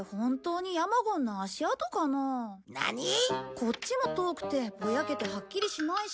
こっちも遠くてぼやけてはっきりしないし。